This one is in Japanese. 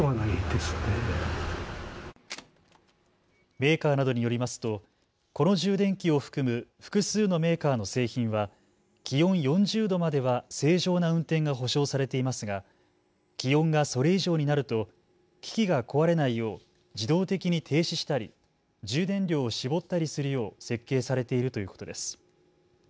メーカーなどによりますとこの充電器を含む複数のメーカーの製品は気温４０度までは正常な運転が保証されていますが気温がそれ以上になると機器が壊れないよう自動的に停止したり充電量を絞ったりするよう設計されているということです。